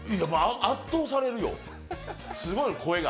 圧倒されるよすごい、声が。